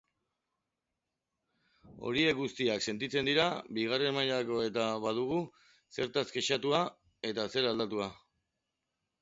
Horiek guztiak sentitzen dira bigarren mailako eta badugu zertaz kexatua eta zer aldatua.